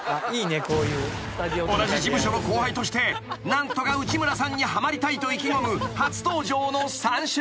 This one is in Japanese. ［同じ事務所の後輩として何とか内村さんにはまりたいと意気込む初登場の三四郎］